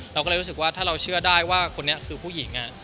เราก็เลยรู้สึกว่าถ้าเราเชื่อได้ว่าคนนี้คือผู้หญิง